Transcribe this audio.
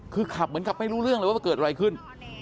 คือขับเหมือนกับไม่รู้เรื่องเลยว่าเกิดอะไรขึ้น